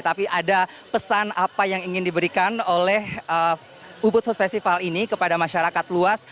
tapi ada pesan apa yang ingin diberikan oleh ubud food festival ini kepada masyarakat luas